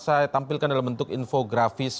saya tampilkan dalam bentuk infografis